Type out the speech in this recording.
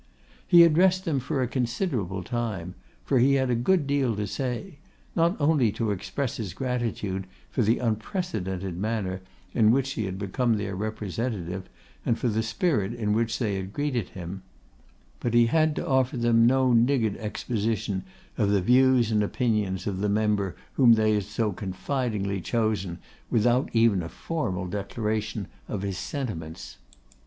He addressed them for a considerable time, for he had a great deal to say; not only to express his gratitude for the unprecedented manner in which he had become their representative, and for the spirit in which they had greeted him, but he had to offer them no niggard exposition of the views and opinions of the member whom they had so confidingly chosen, without even a formal declaration of his sentiments.